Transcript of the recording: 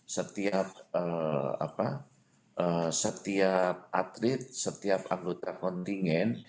setiap atlet setiap anggota kontingen